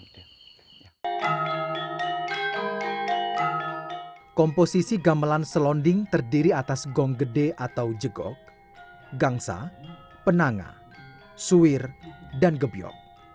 komposisi gamelan selonding terdiri atas gong gede atau jegok gangsa penanga suwir dan gebiok